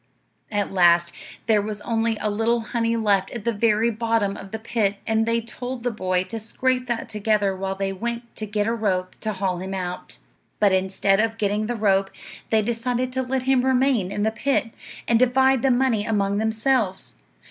At last there was only a little honey left at the very bottom of the pit, and they told the boy to scrape that together while they went to get a rope to haul him out. But instead of getting the rope, they decided to let him remain in the pit, and divide the money among themselves.